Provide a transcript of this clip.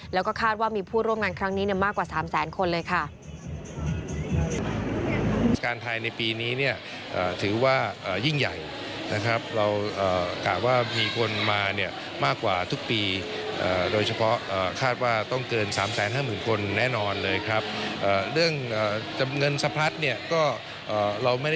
แล้วก็คาดว่ามีผู้ร่วมงานครั้งนี้มากกว่า๓แสนคนเลยค่ะ